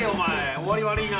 終わり悪いな。